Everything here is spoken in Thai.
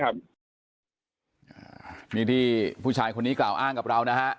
นี่ที่ผู้ชายคนนี้กล่าวอ้างกับเรานะฮะ